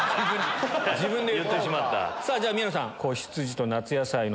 じゃ宮野さん。